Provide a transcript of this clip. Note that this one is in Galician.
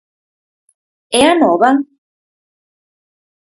E Anova?